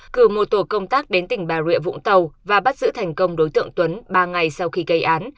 cử một tổ công tác đến tỉnh bà rịa vũng tàu và bắt giữ thành công đối tượng tuấn ba ngày sau khi gây án